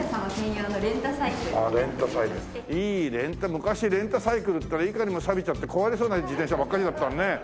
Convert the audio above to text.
昔レンタサイクルっていったらいかにもさびちゃって壊れそうな自転車ばっかりだったね。